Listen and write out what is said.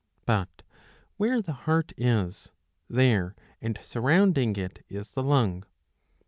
But where the heart is, there and surrounding it is the lung.